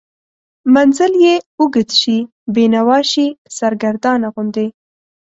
منزل یې اوږد شي، بینوا شي، سرګردانه غوندې